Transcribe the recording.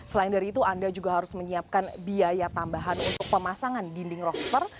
selain dari itu anda juga harus menyiapkan biaya tambahan untuk pemasangan dinding roster